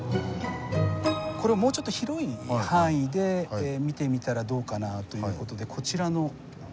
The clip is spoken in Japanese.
これをもうちょっと広い範囲で見てみたらどうかなという事でこちらの。